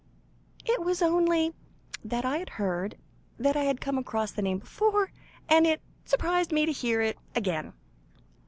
"It was only that I had heard had come across the name before, and it surprised me to hear it again."